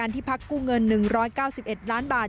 ที่พักกู้เงิน๑๙๑ล้านบาท